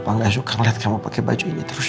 papa gak suka ngeliat kamu pake bajunya terus